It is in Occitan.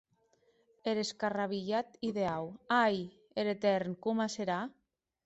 Er escarrabilhat ideau, ai!, er etèrn com serà?